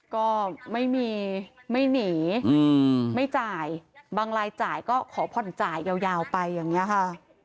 ก็ไม่มีไม่หนีไม่จ่ายบางรายจ่ายก็ขอผ่อนจ่ายยาวไปอย่างนี้ค่ะ